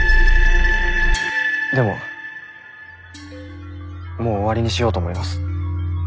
でももう終わりにしようと思います。